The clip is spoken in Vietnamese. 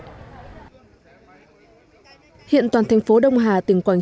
hiện toàn thành phố đông hà tỉnh quảng trị đã phê duyệt gần năm tỷ đồng đầu tư xây dựng tuyến đường